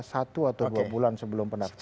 satu atau dua bulan sebelum pendaftaran